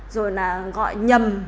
rồi là gọi nhầm